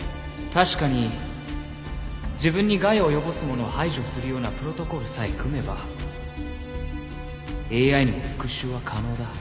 確かに自分に害を及ぼすものを排除するようなプロトコルさえ組めばＡＩにも復讐は可能だ。